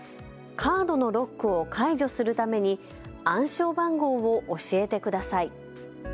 カードのロックを解除するために暗証番号を教えてください。